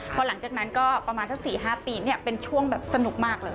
พอหลังจากนั้นก็ประมาณสัก๔๕ปีเป็นช่วงแบบสนุกมากเลย